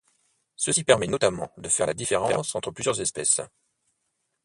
Ceci permet notamment de faire la différence entre plusieurs espèces.